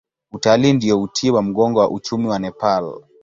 Utalii ndio uti wa mgongo wa uchumi wa Nepal.